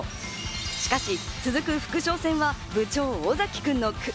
しかし続く副将戦は部長・尾崎君の句。